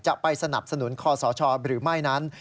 จะไปสนับสนุนคอสชหรือไม่นั้น